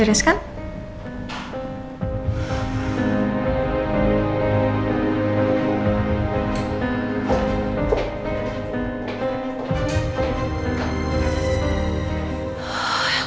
bersama aku apa kamu bilang